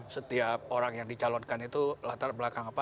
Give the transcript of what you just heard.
setiap orang yang dicalonkan itu latar belakang apa